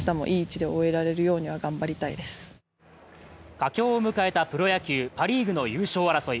佳境を迎えたプロ野球、パ・リーグの優勝争い。